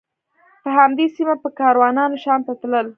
په همدې سیمه به کاروانونه شام ته تلل.